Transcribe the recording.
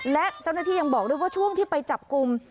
และเจ้าหน้าที่ยังบอกด้วยว่าช่วงที่ไปจับกลุ่ม